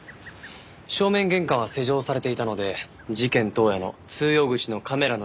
正面玄関は施錠されていたので事件当夜の通用口のカメラの映像を確認すれば。